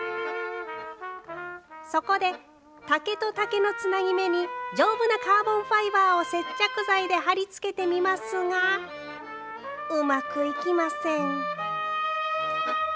そこで、竹と竹のつなぎ目に、丈夫なカーボンファイバーを接着剤で貼り付けてみますが、うまくいきません。